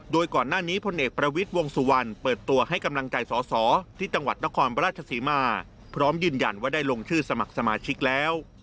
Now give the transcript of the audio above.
โดยก่อนหน้านี้พลเอกประวิทย์วงสุวรรณเปิดตัวให้กำลังใจสอสอที่จังหวัดนครราชศรีมาพร้อมยืนยันว่าได้ลงชื่อสมัครสมาชิกแล้ว